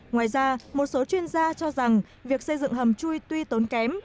ngoài ra một số chuyên gia cho rằng việc xây dựng hầm chui tuy tốn kém